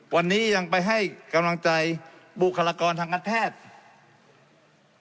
วันนี้ยังไปให้กำลังใจบุคลากรทางการแพทย์